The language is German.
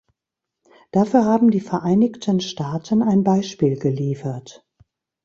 Dafür haben die Vereinigten Staaten ein Beispiel geliefert.